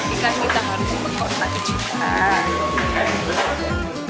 tapi kan kita harus memenuhi maklumat juga